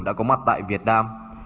đã có mặt tại việt nam